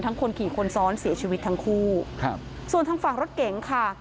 คนขี่คนซ้อนเสียชีวิตทั้งคู่ครับส่วนทางฝั่งรถเก๋งค่ะ